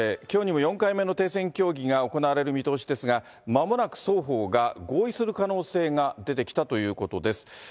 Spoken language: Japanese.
きょうにも４回目の停戦協議が行われる見通しですが、まもなく双方が合意する可能性が出てきたということです。